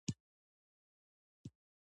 افغانستان په بزګان غني دی.